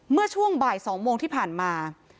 เมื่อช่วงบ่าย๒โมงที่ผ่านมา